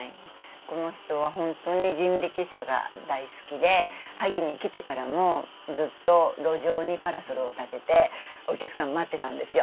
この人は本当に人力車が大好きで萩に来てからもずっと路上にパラソルを立ててお客さん待ってたんですよ。